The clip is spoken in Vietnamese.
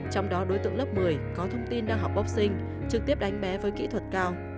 trong đó đối tượng lớp một mươi có thông tin đang học boxing trực tiếp đánh bé với kỹ thuật cao